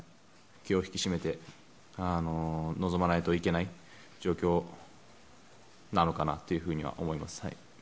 気を引き締めて臨まないといけない状況なのかなと思います。